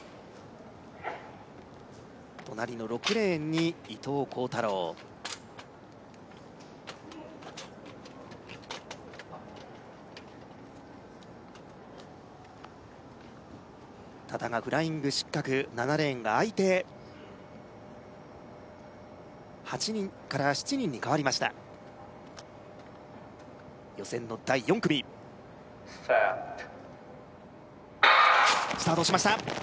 隣の６レーンに伊藤孝太郎多田がフライング失格７レーンが空いて８人から７人に変わりました予選の第４組Ｓｅｔスタートしました